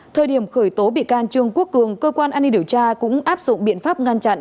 thời điểm khởi tố bị can trương quốc cường cơ quan an ninh điều tra cũng áp dụng biện pháp ngăn chặn